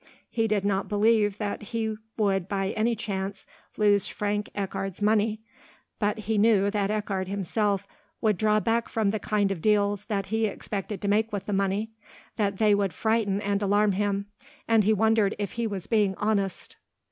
He did not believe that he would by any chance lose Frank Eckardt's money, but he knew that Eckardt himself would draw back from the kind of deals that he expected to make with the money, that they would frighten and alarm him, and he wondered if he was being honest.